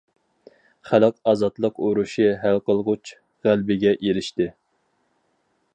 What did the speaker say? خەلق ئازادلىق ئۇرۇشى ھەل قىلغۇچ غەلىبىگە ئېرىشتى.